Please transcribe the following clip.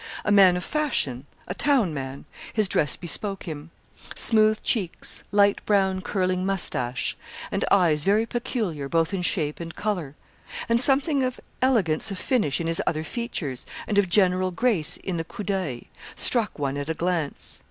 A man of fashion a town man his dress bespoke him: smooth cheeks, light brown curling moustache, and eyes very peculiar both in shape and colour, and something of elegance of finish in his other features, and of general grace in the coup d'oeil, struck one at a glance.